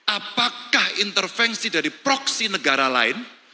apakah intervensi dari proksi negara lain